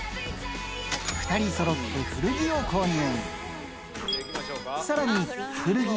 ２人そろって古着を購入